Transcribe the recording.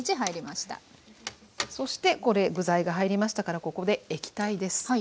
そして具材が入りましたからここで液体です。